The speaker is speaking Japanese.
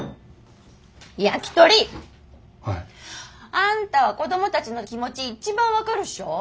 あんたは子供たちの気持ち一番分かるっしょ？